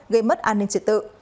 gây mất an ninh trật tự